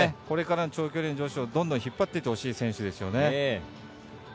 これからの長距離の女子をどんどん引っ張っていってほしい選手ですよね。